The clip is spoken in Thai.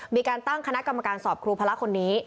มีการตั้งคณะกรรมการสอบครูพระคนนี้